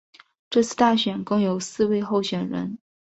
这次大选共有四位候选人。